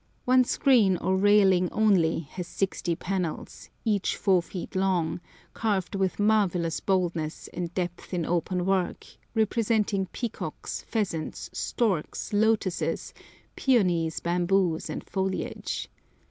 One screen or railing only has sixty panels, each 4 feet long, carved with marvellous boldness and depth in open work, representing peacocks, pheasants, storks, lotuses, peonies, bamboos, and foliage.